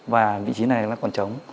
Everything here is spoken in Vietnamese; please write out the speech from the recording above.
và vị trí này nó còn chống